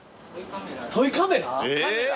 トイカメラです。